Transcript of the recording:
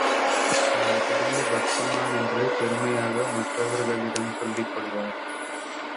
தான் பெரிய பக்திமான் என்று பெருமையாக மற்றவர்களிடம் சொல்லிக்கொள்வார்.